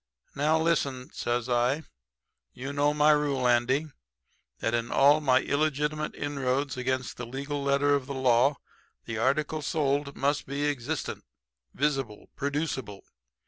"'Now listen,' says I. 'You know my rule, Andy, that in all my illegitimate inroads against the legal letter of the law the article sold must be existent, visible, producible.